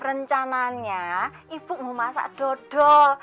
rencananya ibu mau masak dodol